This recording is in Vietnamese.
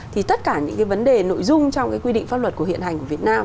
thì tất cả những cái vấn đề nội dung trong cái quy định pháp luật của hiện hành của việt nam